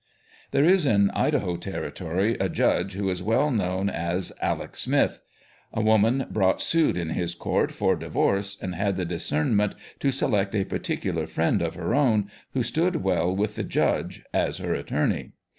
There is in Idaho territory a judge who is well known as " Alec Smith." A woman brought suit in his court for divorce, and had the discernment to select a particular friend of icr own, who stood well witli the judge, as her attorney.